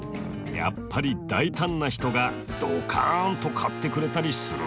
やっぱり大胆な人がドカンと買ってくれたりするのかな？